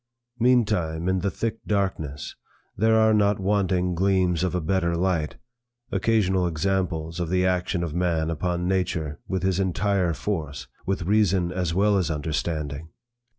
Meantime, in the thick darkness, there are not wanting gleams of a better light, occasional examples of the action of man upon nature with his entire force, with reason as well as understanding.